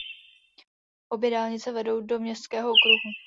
Obě dálnice vedou do městského okruhu.